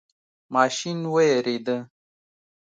ماشین ویریده.